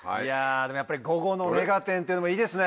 でもやっぱり午後の『目がテン！』っていうのもいいですね。